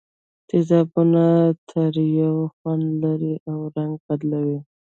تیزابونه تریو خوند لري او رنګ بدلوي.